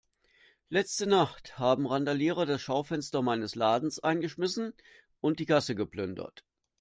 Letzte Nacht haben Randalierer das Schaufenster meines Ladens eingeschmissen und die Kasse geplündert.